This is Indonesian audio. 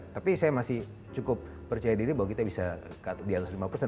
tapi saya masih cukup percaya diri bahwa kita bisa di atas lima persen